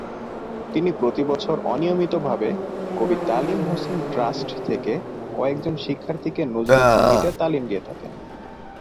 তিনি প্রতি বছর অনিয়মিতভাবে 'কবি তালিম হোসেন ট্রাস্ট' থেকে কয়েকজন শিক্ষার্থীকে নজরুল সঙ্গীতের তালিম দিয়ে থাকেন।